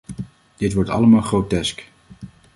Dit wordt allemaal grotesk!